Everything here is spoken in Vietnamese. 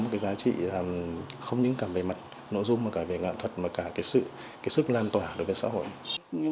thì cái bài hát của bùa anh tú nó có một cái giá trị không những cả về mặt nội dung mà cả về ngạ thuật mà cả cái sức lan tỏa đối với xã hội